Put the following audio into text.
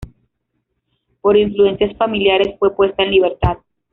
Por influencias familiares fue puesta en libertad.